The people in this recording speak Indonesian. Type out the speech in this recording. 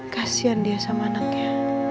kasian dia sama anaknya